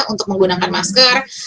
untuk menggunakan masker